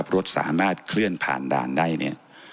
รถสามารถเคลื่อนผ่านด่านใด